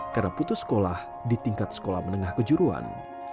karena putus sekolah di tingkat sekolah menengah kejuruan